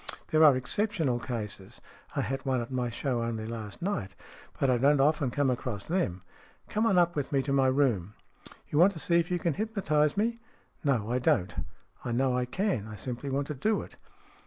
There are exceptional cases I had one at my show only last night but I don't often come across them. Come on up with me to my room." " You want to see if you can hypnotize me ?"" No, I don't. I know I can. I simply want to do it."